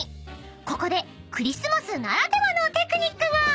［ここでクリスマスならではのテクニックが！］